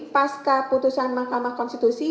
pasca putusan mahkamah konstitusi